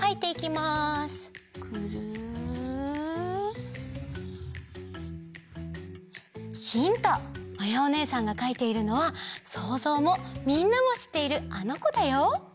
まやおねえさんがかいているのはそうぞうもみんなもしっているあのこだよ。